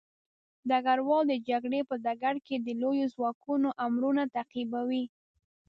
ډګروال د جګړې په ډګر کې د لويو ځواکونو امرونه تعقیبوي.